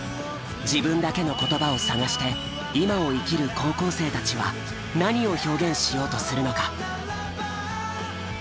自分だけの言葉を探して今を生きる高校生たちは何を表現しようとするのか。